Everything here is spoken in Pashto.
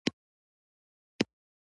پلار یې له کوره شړلی و او وهلی یې و